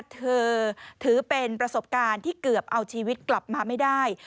ถือเป็นประสบการณ์ที่เกือบเอาชีวิตกลับมาไม่ได้